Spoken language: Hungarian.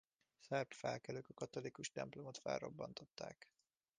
A szerb felkelők a katolikus templomot felrobbantották.